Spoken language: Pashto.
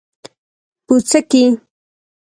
🍄🟫 پوڅکي